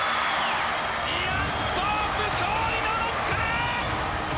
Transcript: イアン・ソープ、驚異の６冠！